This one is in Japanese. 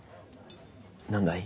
何だい？